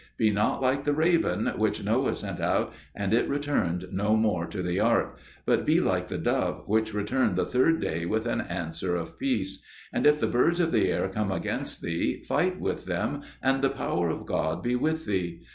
Be not like the raven, which Noah sent out, and it returned no more to the ark; but be like the dove, which returned the third day with an answer of peace. And if the birds of the air come against thee, fight with them, and the power of God be with thee.